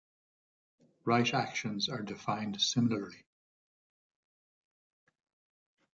Right actions are defined similarly.